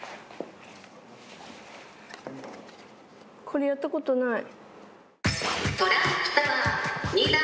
これやったことない。